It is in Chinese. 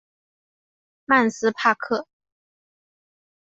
曼斯帕克。